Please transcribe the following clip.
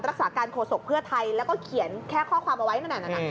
รักษาการโฆษกเพื่อไทยแล้วก็เขียนแค่ข้อความเอาไว้นั่น